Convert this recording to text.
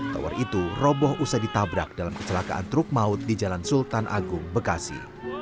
tower itu roboh usai ditabrak dalam kecelakaan truk maut di jalan sultan agung bekasi